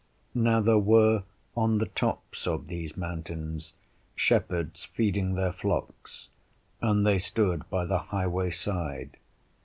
Now there were on the tops of these mountains shepherds feeding their flocks, and they stood by the highway side.